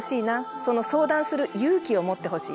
その相談する勇気を持ってほしい。